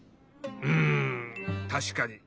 うんたしかに。